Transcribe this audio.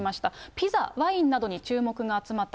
ピザ、ワインなどに注目が集まった。